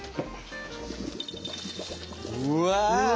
うわ！